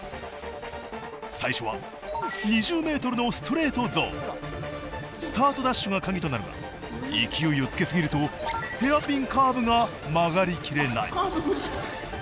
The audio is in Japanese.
最初は２０ｍのスタートダッシュが鍵となるが勢いをつけすぎるとヘアピンカーブが曲がりきれない。